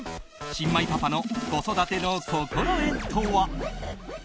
新米パパの子育ての心得とは。